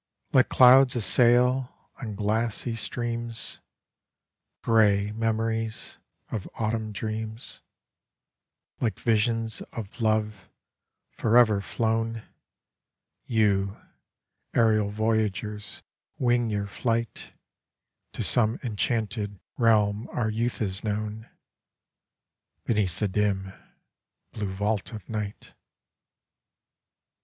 Like clouds a sail on glassy streams Grey memories of autumn dreams; Like visions of love forever flown, You, aerial voyagers, wing your flight To some enchanted realm our youth has known, Beneath the dim, blue vault of night.